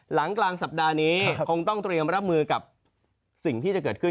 หลังกลางสัปดาห์นี้คงต้องเตรียมรับมือกับสิ่งที่จะเกิดขึ้น